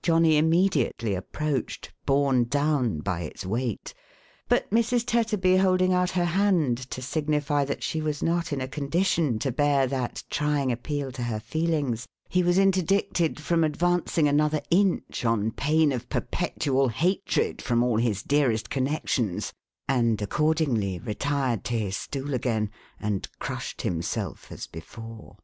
Johnny immediately approached, borne down by its weight; but Mrs. Tetterby holding out her hand to signify that she was not in a con dition to bear that trying appeal to her feelings, he was interdicted from advancing another inch, on pain of perpetual hatred from all his dearest connections ; and accordingly retired to his stool again, and crushed himself as before.